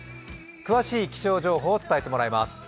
詳しい気象情報を伝えてもらいます。